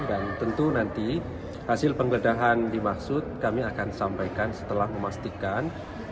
dan tentu nanti hasil pengledahan dimaksud kami akan sampaikan setelah memastikan